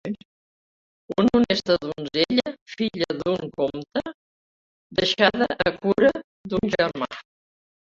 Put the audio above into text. Una honesta donzella, filla d’un comte, deixada a cura d’un germà.